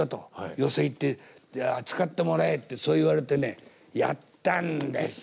寄席行って使ってもらえ」ってそう言われてねやったんですよ。